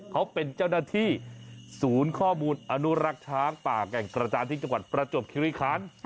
เขาเป็นเจ้าหน้าที่ศูนย์ข้อมูลอนุรักษ์ช้างป่าแก่งกระจานที่จังหวัดประจวบคิริคัน